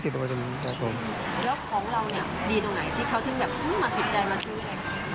แล้วของเราดีตรงไหนที่เขาถึงมาสินใจมาซื้อเยอะแรก